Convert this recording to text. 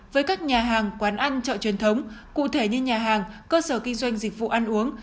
với các nhà hàng quán ăn chợ truyền thống cụ thể như nhà hàng cơ sở kinh doanh dịch vụ ăn uống